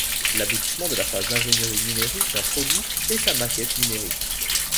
L'aboutissement de la phase d'ingénierie numérique d'un produit est sa maquette numérique.